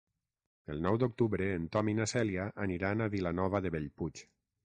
El nou d'octubre en Tom i na Cèlia aniran a Vilanova de Bellpuig.